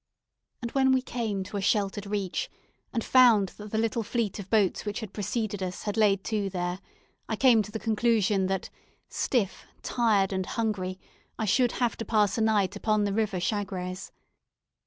And when we came to a sheltered reach, and found that the little fleet of boats which had preceded us had laid to there, I came to the conclusion that, stiff, tired, and hungry, I should have to pass a night upon the river Chagres.